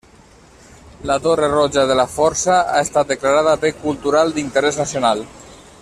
La Torre Roja de la Força ha estat declarada Bé Cultural d'Interès Nacional.